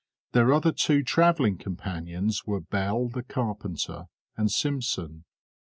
Their other two travelling companions were Bell the carpenter and Simpson.